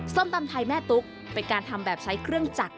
ส้มตำไทยแม่ตุ๊กเป็นการทำแบบใช้เครื่องจักร